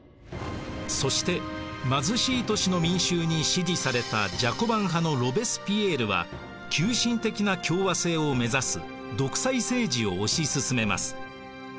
そして貧しい都市の民衆に支持されたジャコバン派のロベスピエールは急進的な共和政を目指す独裁政治を押し進めます。